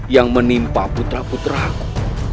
yang menimpa putra putraku